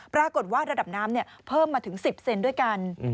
ปรากฏว่าระดับน้ำเพิ่มมาถึง๑๐เซนด้วยกัน